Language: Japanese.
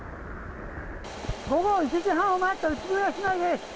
午後１時半を回った宇都宮市内です。